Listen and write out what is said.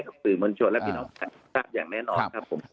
สมรรยาจแบบฝีมือนชนและพินัชทราบอย่างแน่นอน